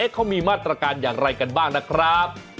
เขามีมาตรการอย่างไรกันบ้างนะครับ